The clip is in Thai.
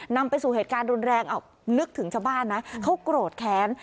นำไปสู่เหตุการณ์รุนแรงนึกถึงชาวบ้านนะเขาโกรธแค้น